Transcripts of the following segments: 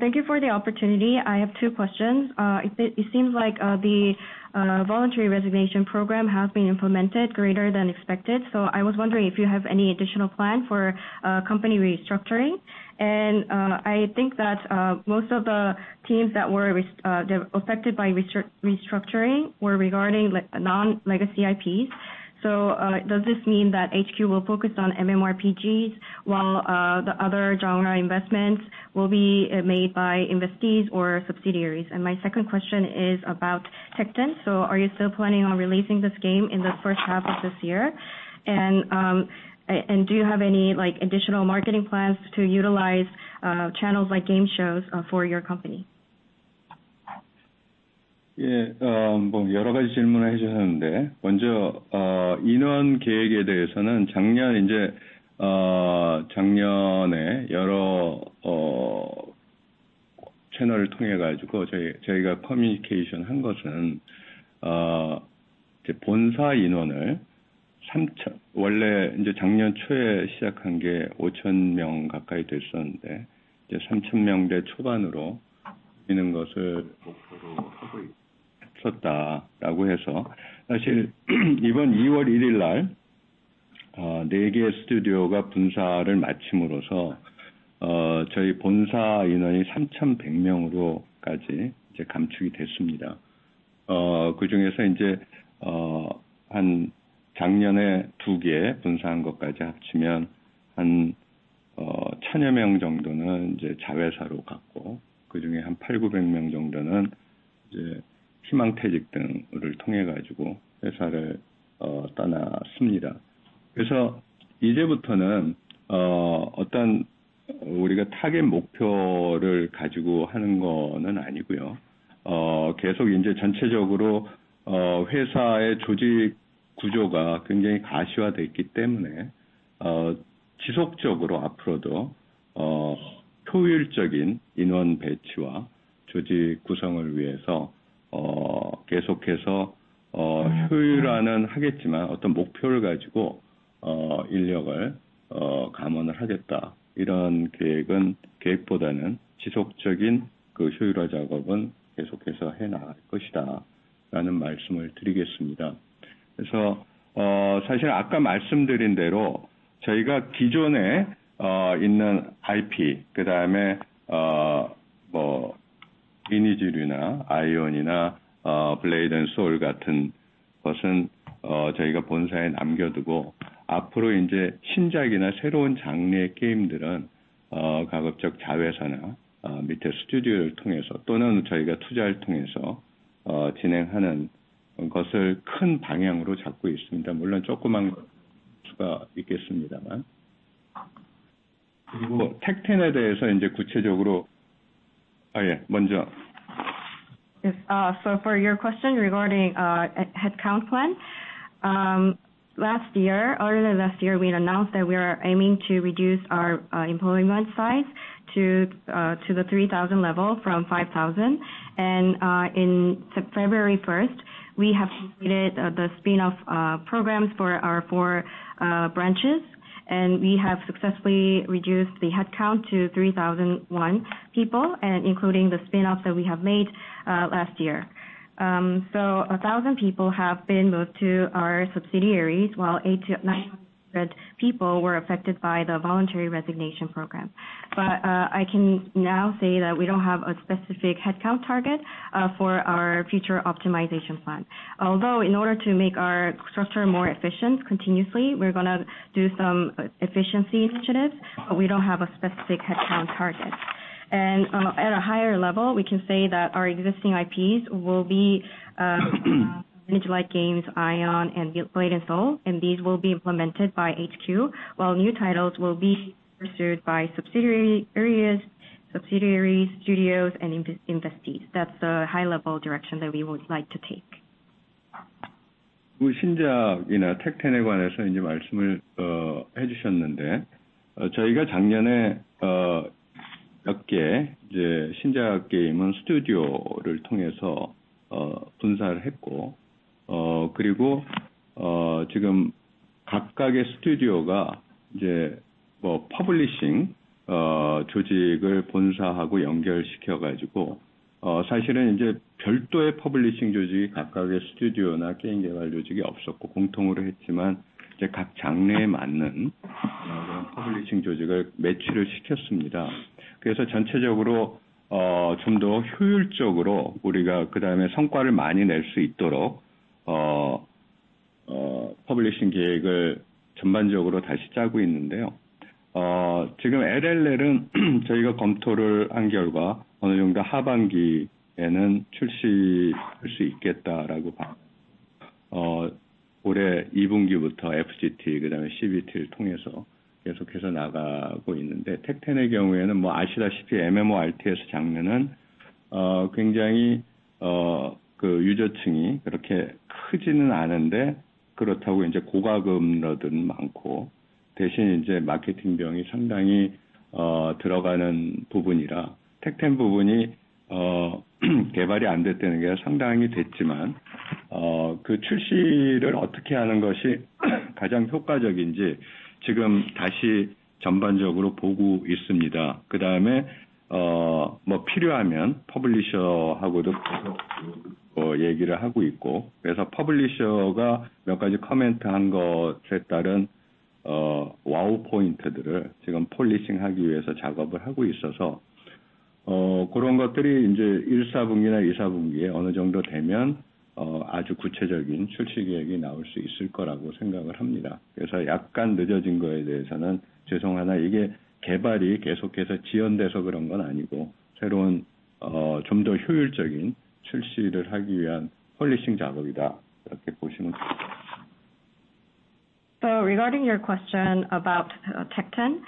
Thank you for the opportunity. I have two questions. It seems like the voluntary resignation program has been implemented greater than expected. So I was wondering if you have any additional plan for company restructuring. And I think that most of the teams that were affected by restructuring were regarding non legacy IPs. So does this mean that HQ will focus on MMRPGs while the other genre investments will be made by investees or subsidiaries? And my second question is about Tekton. So are you still planning on releasing this game in the first half of this year? And do you have any like additional marketing plans to utilize channels like game shows for your company? So for your question regarding headcount plan, last year, other than last year, we announced that we are aiming to reduce our employment size to the 3,000 level from 5,000. And in February 1, we have completed the spin off programs for our four branches and we have successfully reduced the headcount to 3,001 people and including the spin offs that we have made last year. So 1,000 people have been moved to our subsidiaries while eight people were affected by the voluntary resignation program. But I can now say that we don't have a specific headcount target for our future optimization plan. Although in order to make our structure more efficient continuously, we're going to do some efficiency initiatives, but we don't have a specific headcount target. And at a higher level, we can say that our existing IPs will be Ninja Light Games, Aion and Blade and Soul, and these will be implemented by HQ, while new titles will be pursued by subsidiaries, studios and investees. That's a high level direction that we would like to take. So regarding your question about Tekken,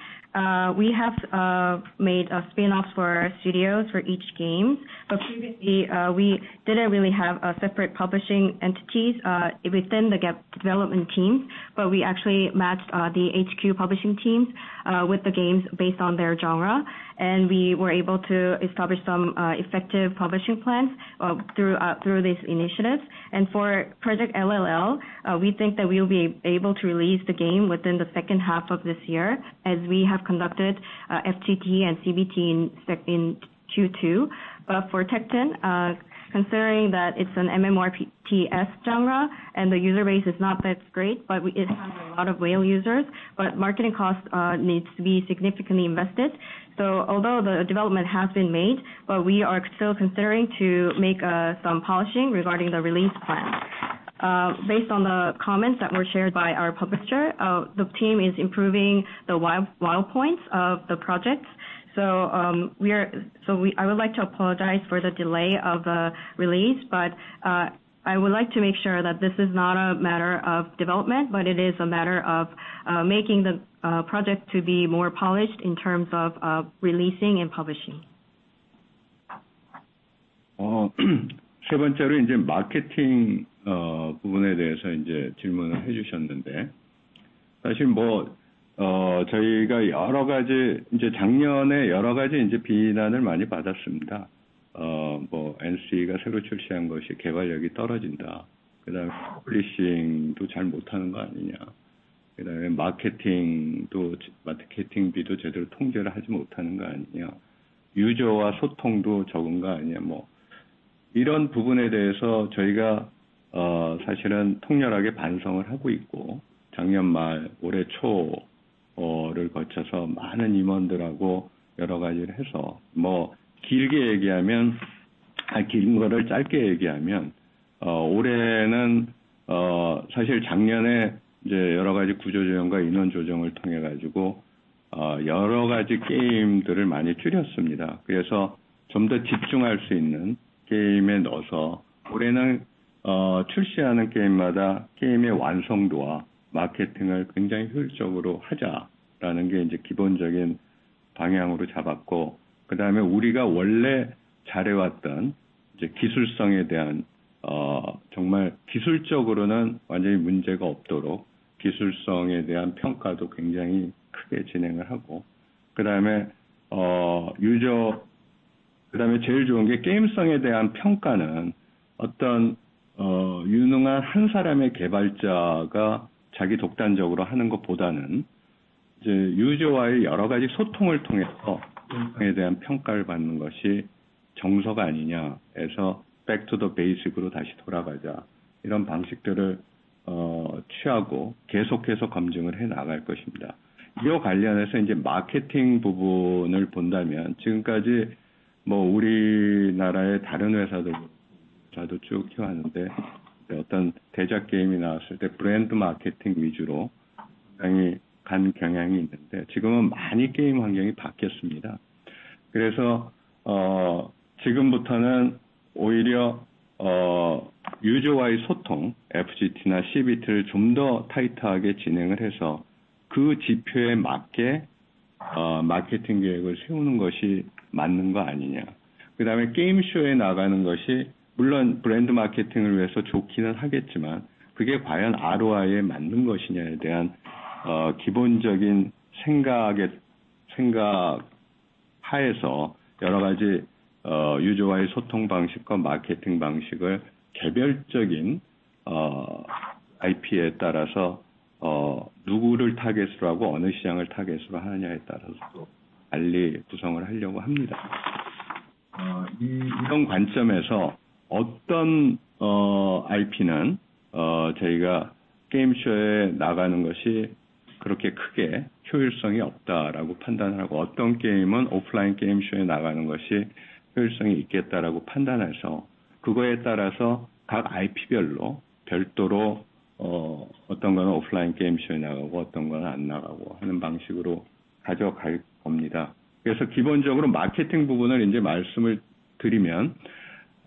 we have made a spin offs for our studios for each game. But previously, we didn't really have a separate publishing entities within the development team, but we actually matched the HQ publishing teams with the games based on their genre. And we were able to establish some effective publishing plans through these initiatives. And for Project LLL, we think that we will be able to release the game within the second half of this year as we have conducted FTT and CBT in Q2. But for Tekton, considering that it's an MMRTS genre and the user base is not that great, but it's a lot of whale users, but marketing costs needs to be significantly invested. So although the development has been made, but we are still considering to make some polishing regarding the release plan. Based on the comments that were shared by our publisher, the team is improving the wild points of the projects. So we are so I would like to apologize for the delay of the release, but I would like to make sure that this is not a matter of development, but it is a matter of making the project to be more polished in terms of releasing and publishing. Publishing.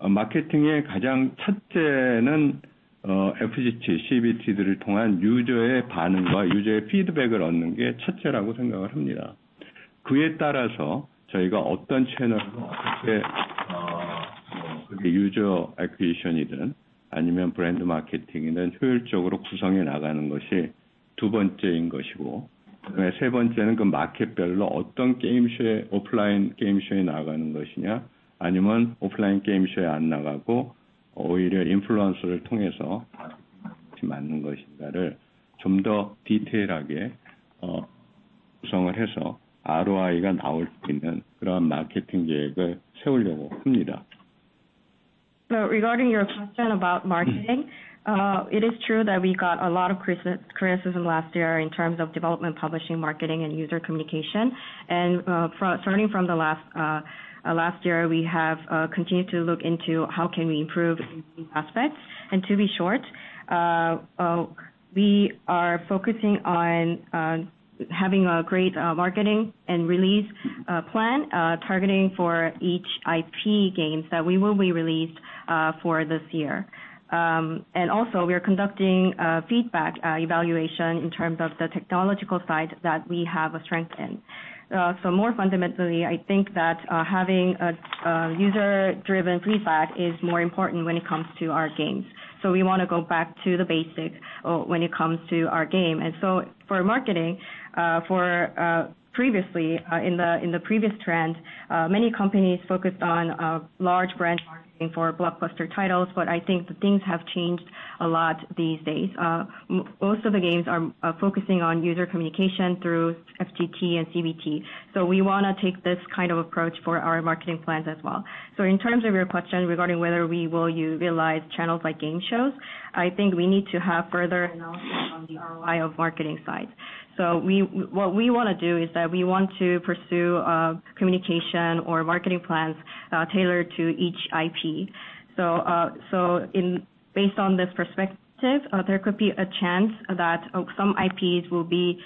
So regarding your question about marketing, it is true that we got a lot of criticism last year in terms of development, publishing, marketing and user communication. And starting from the last year, we have continued to look into how can we improve these aspects. And to be short, we are focusing on having a great marketing and release plan targeting for each IP games that we will be released for this year. And also we are conducting feedback evaluation in terms of the technological side that we have strengthened. So more fundamentally, I think that having a user driven pre fab is more important when it comes to our games. So we want to go back to the basics when it comes to our game. And so for marketing, for previously in the previous trend, many companies focused on large brand marketing for blockbuster titles, but I think that things have changed a lot these days. Most of the games are focusing on user communication through FTT and CBT. So we want to take this kind of approach for our marketing plans as well. So in terms of your question regarding whether we will utilize channels like game shows, I think we need to have further analysis on the ROI of marketing side. So what we want to do is that we want to pursue communication or marketing plans tailored to each IP. So based on this perspective, there could be a chance that some IPs will be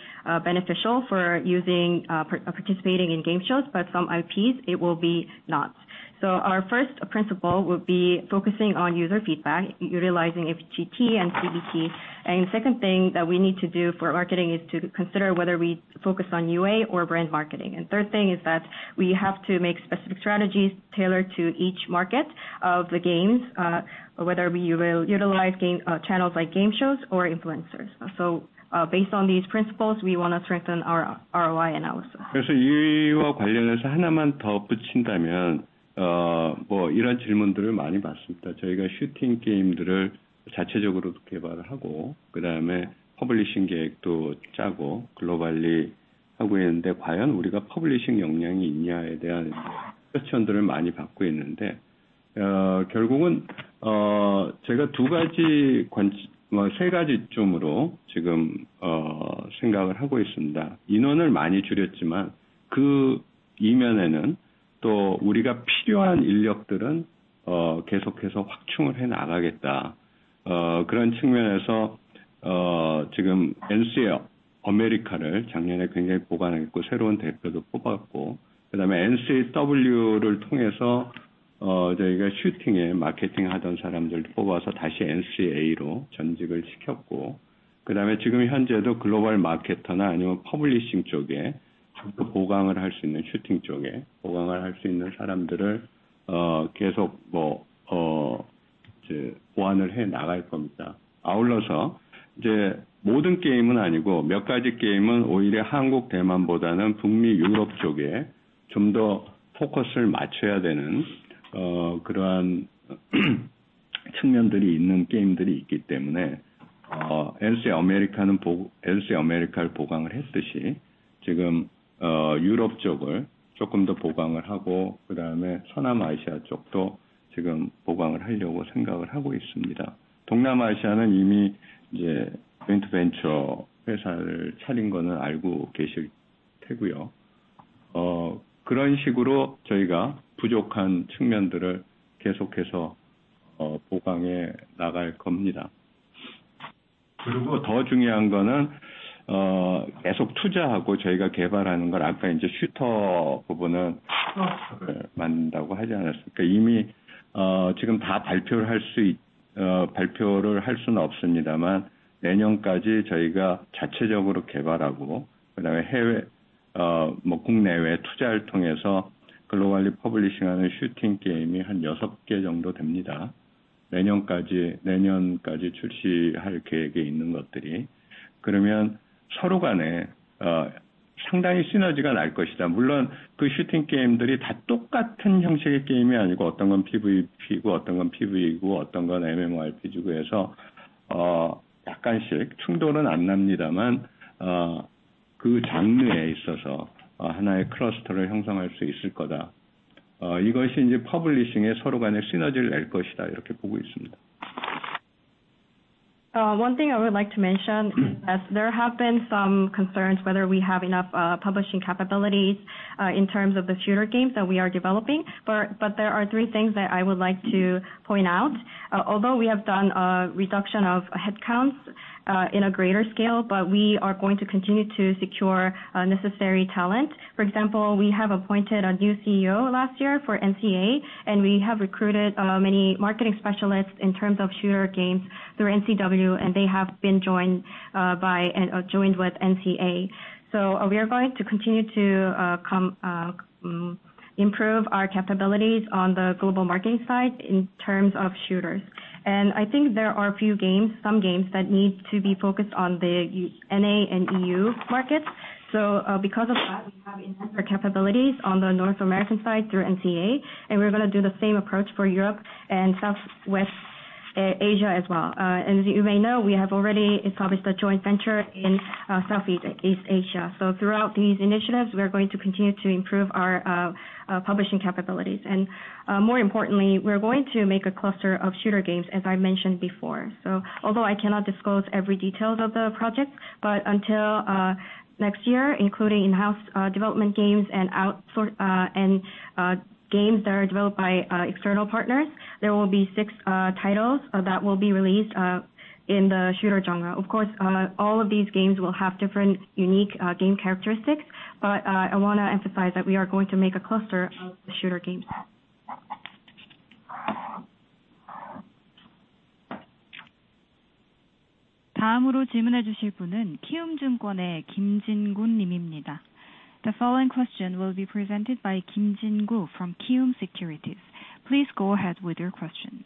beneficial for using participating in game shows, but some IPs it will be not. So our first principle would be focusing on user feedback, utilizing FGT and CBT. And second thing that we need to do for marketing is to consider whether we focus on UA or brand marketing. And third thing is that we have to make specific strategies tailored to each market of the games, whether we utilize channels like game shows or influencers. So based on these principles, we want to strengthen our ROI analysis. One thing I would like to mention, there have been some concerns whether we have enough publishing capabilities in terms of the shooter games that we are developing. But there are three things that I would like to point out. Although we have done a reduction of headcount in a greater scale, but we are going to continue to secure necessary talent. For example, we have appointed a new CEO last year for NCA and we have recruited many marketing specialists in terms of shooter games through NCW and they have been joined by and joined with NCA. So we are going to continue to improve our capabilities on the global marketing side in terms of shooters. And I think there are few games, some games that need to be focused on the NA and EU markets. So because of that, we have intensive capabilities on the North American side through NCA and we're going to do the same approach for Europe and Southwest Asia as well. And as you may know, we have already established a joint venture in Southeast Asia. So throughout these initiatives, we are going to continue to improve our publishing capabilities. And more importantly, we are going to make a cluster of shooter games, as I mentioned before. So although I cannot disclose every detail of the project, but until next year, including in house development games and games that are developed by external partners, there will be six titles that will be released in the shooter genre. Of course, all of these games will have different unique game characteristics, but I want to emphasize that we are going to make a cluster of the shooter games. The following question will be presented by Kim Jin Go from Qum Securities. Please go ahead with your question.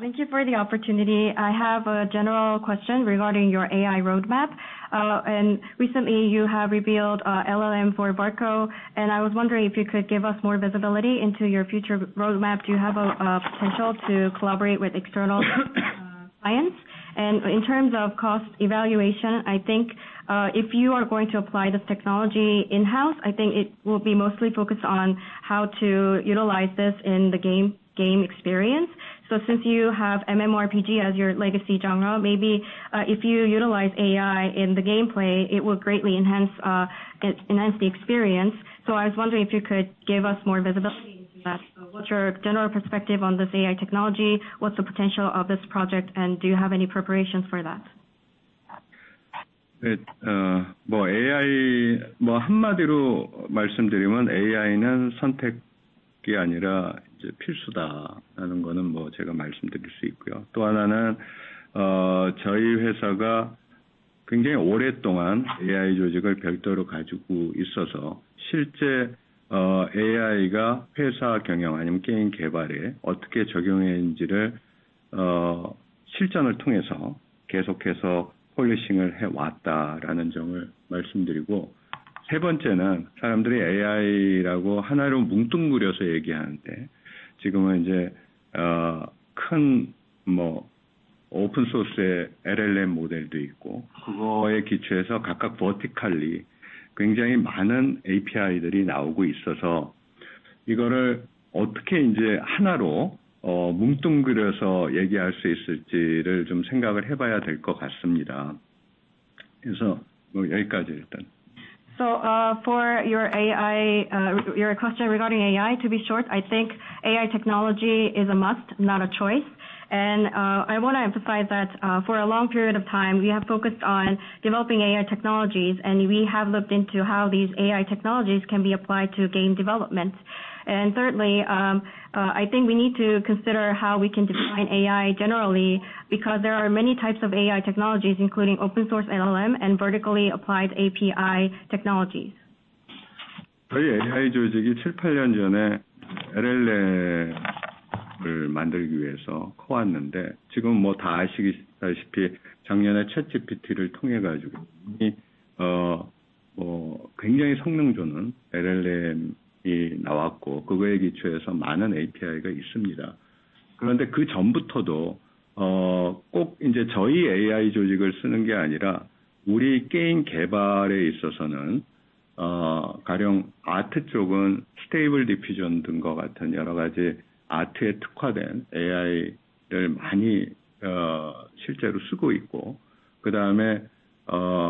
Thank you for the opportunity. I have a general question regarding your AI roadmap. And recently, you have revealed LLM for Barco. And I was wondering if you could give us more visibility into your future roadmap. Do you have a potential to collaborate with external clients? And in terms of cost evaluation, I think if you are going to apply this technology in house, I think it will be mostly focused on how to utilize this in the game experience. So since you have MMORPG as your legacy genre, maybe if you utilize AI in the gameplay, it will greatly enhance the experience. So I was wondering if you could give us more visibility into that. What's your general perspective on this AI technology? What's the potential of this project? And do you have any preparations for that? So for your AI your question regarding AI to be short, I think AI technology is a must, not a choice. And I want to emphasize that for a long period of time, we have focused on developing AI technologies and we have looked into how these AI technologies can be applied to game development. And thirdly, I think we need to consider how we can define AI generally, because there are many types of AI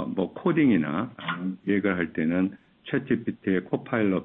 technologies,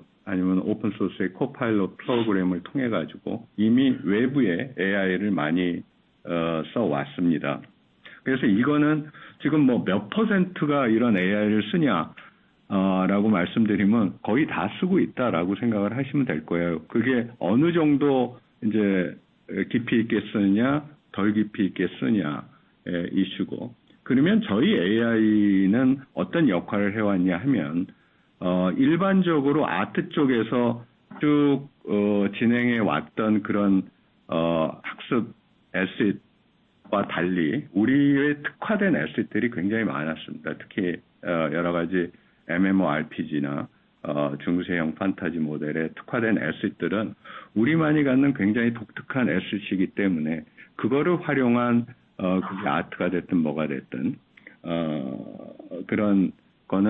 including open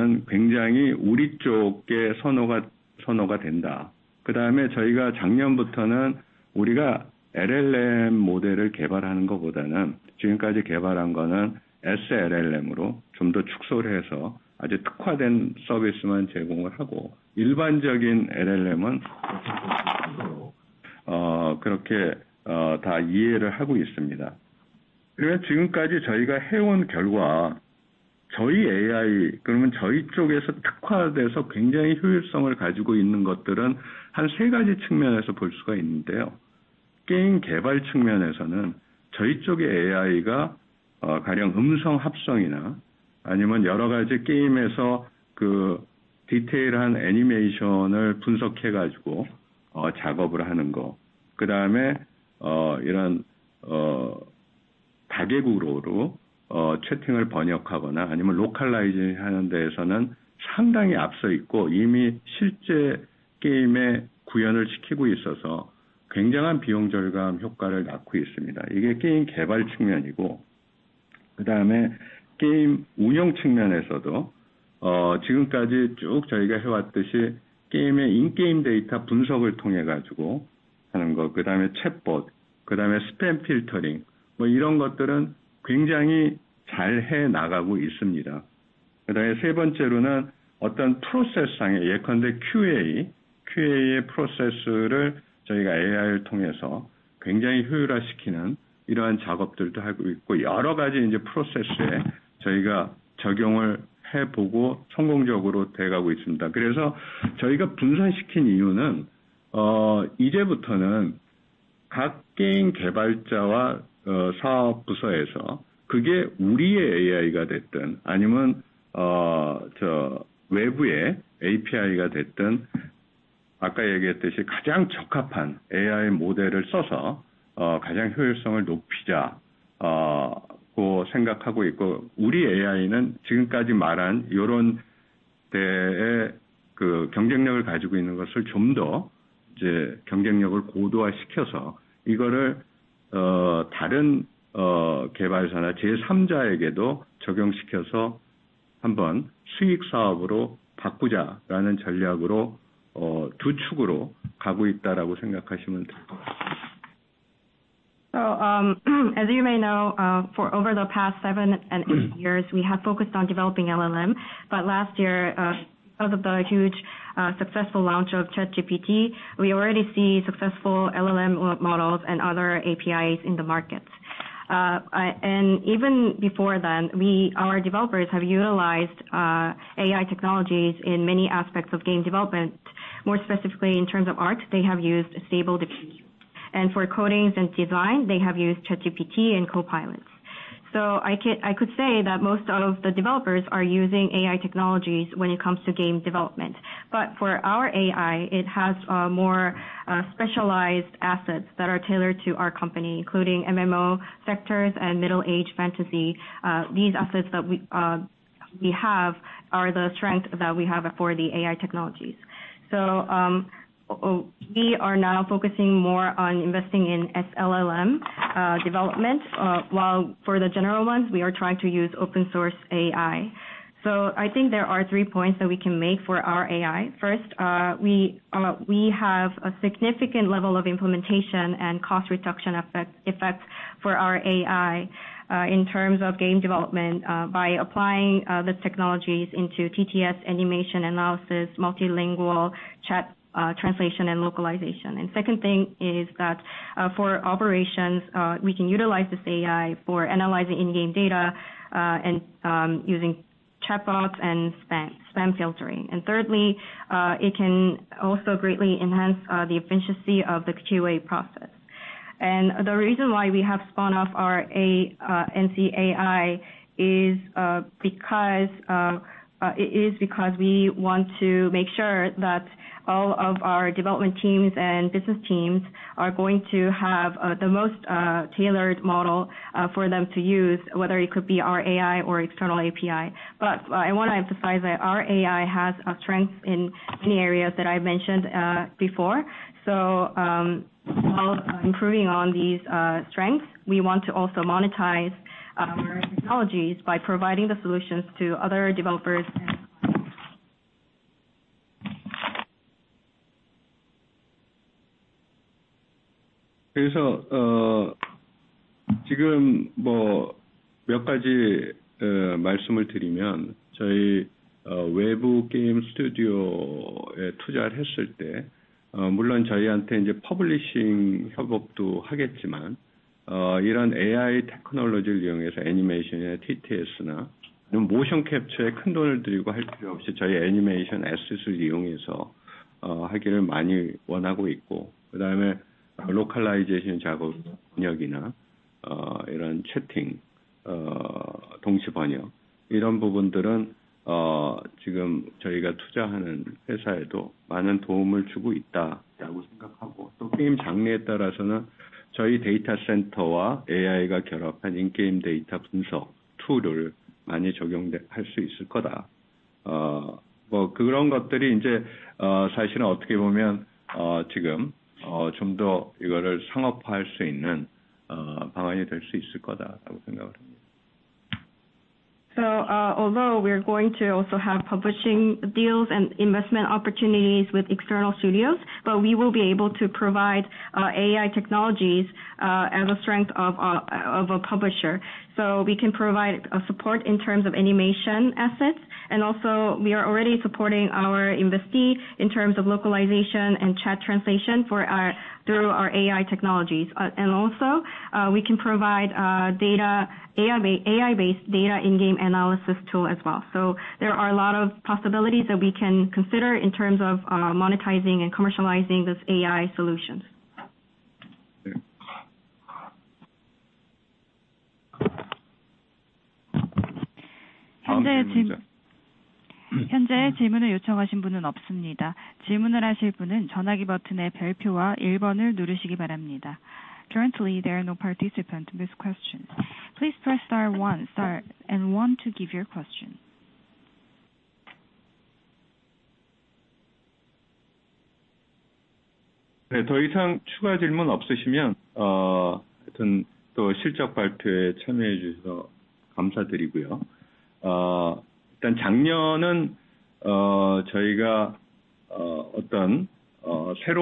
source NLM and vertically applied API technologies. So as you may know, for over the past seven and eight years, we have focused on developing LLM. But last year, after the huge successful launch of JetGPT, we already see successful LLM models and other APIs in the market. And even before then, we our developers have utilized AI technologies in many aspects of game development. More specifically in terms of art, they have used stable GPU. And for coatings and design, they have used Chetupt and Copilot. So I could say that most of the developers are using AI technologies when it comes to game development. But for our AI, it has more specialized assets that are tailored to our company, including MMO sectors and middle aged fantasy. These assets that we have are the strength that we have for the AI technologies. So we are now focusing more on investing in SLLM development, while for the general ones, we are trying to use open source AI. So I think there are three points that we can make for our AI. First, we have a significant level of implementation and cost reduction effects for our AI in terms of game development by applying the technologies into TTS, animation analysis, multilingual chat translation and localization. And second thing is that for operations, we can utilize this AI for analyzing in game data and using chat box and spam filtering. And thirdly, it can also greatly enhance the efficiency of the Q2A process. And the reason why we have spun off our NC AI it is because we want to make sure that all of our development teams and business teams are going to have the most tailored model for them to use whether it could be our AI or external API. But I want to emphasize that our AI has a strength in many areas that I've mentioned before. So while improving on these strengths, we want to also monetize our technologies by providing the solutions to other developers. So although we are going to also have publishing deals and investment opportunities with external studios, but we will be able to provide AI technologies as a strength of a publisher. So we can provide support in terms of animation assets and also we are already supporting our investee in terms of localization and chat translation through our AI technologies. And also we can provide AI based data in game analysis tool as well. So there are a lot of possibilities that we can consider in terms of monetizing and commercializing this AI solution. So thank you for attending our earnings call. And I believe last year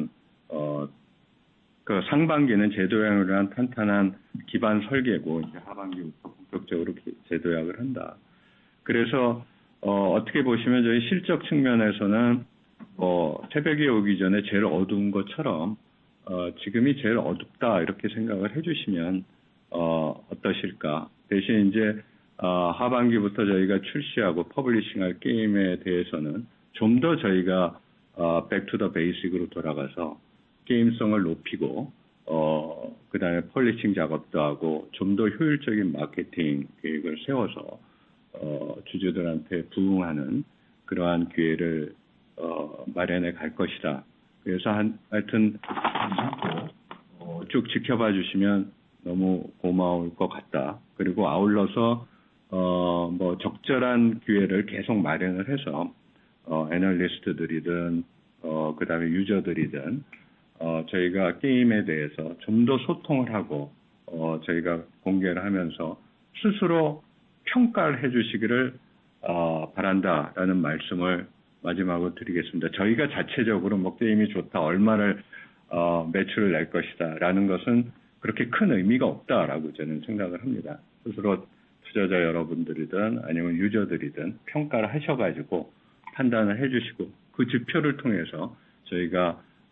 in last year, we have prepared a long term. And although there have been a lot of costs incurred as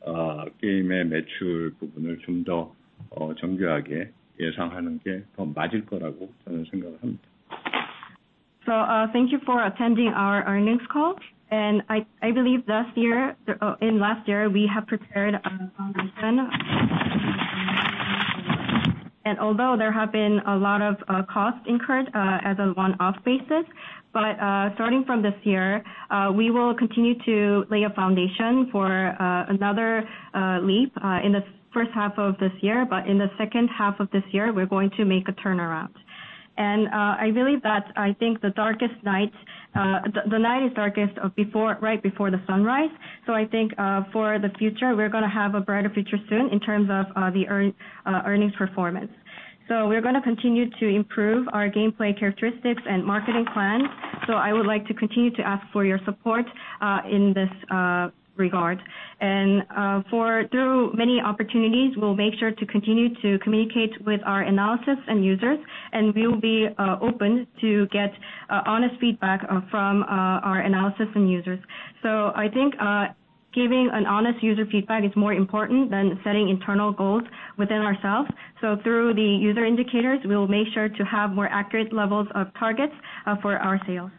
a one off basis, but starting from this year, we will continue to lay a foundation for another leap in the first half of this year. But in the second half of this year, we're going to make a turn around. And I believe that I think the darkest night the night is darkest before right before the sunrise. So I think for the future, we're going to have a brighter future soon in terms of the earnings performance. So we're going to continue to improve our gameplay characteristics and marketing plan. So I would like to continue to ask for your support in this regard. And for through many opportunities, we'll make sure to continue to communicate with our analysis and users and we will be open to get honest feedback from our analysis and users. So I think giving an honest user feedback is more important than setting internal goals within ourselves. So through the user indicators, we will make sure to have more accurate levels of targets for our sales.